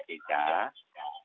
jadi ini menjadi perhatian kita